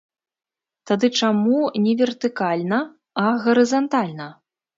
Тады чаму не вертыкальна, а гарызантальна?